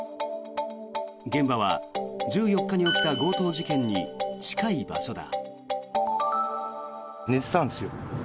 現場は１４日に起きた強盗事件に近い場所だ。